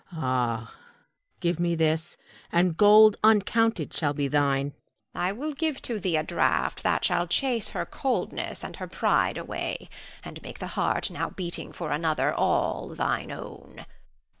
Ah, give me this, and gold uncounted shall be thine. Hilda. I will give to thee a draught that shall chase her coldness and her pride away, and make the heart now beating for another all thine own.